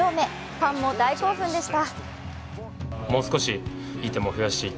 ファンも大興奮でした。